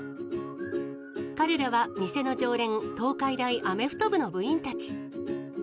彼らは店の常連、東海大アメフト部の部員たち。